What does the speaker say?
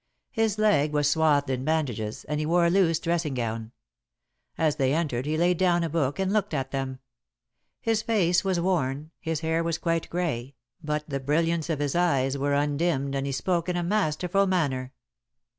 His leg was swathed in bandages, and he wore a loose dressing gown. As they entered he laid down a book and looked at them. His face was worn, his hair was quite grey, but the brilliance of his eyes were undimmed, and he spoke in a masterful manner.